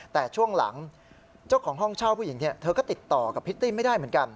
แต่ช่วงหลังเจ้าของห้องเช่าผู้หญิงเธอก็ติดต่อกับพิตตี้ไม่ได้เหมือนกัน